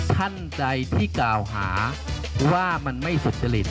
ท่านใจที่กล่าวหาว่ามันไม่สุจริต